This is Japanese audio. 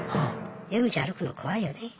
夜道歩くの怖いよね。